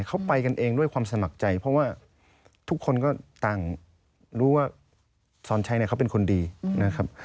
เขาไปกันเองด้วยความสมัครใจเพราะว่าทุกคนก็ต่างรู้ว่าสอนชัยเนี่ยเขาเป็นคนดีนะครับ